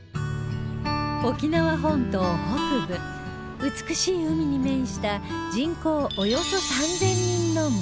沖縄本島北部美しい海に面した人口およそ３０００人の村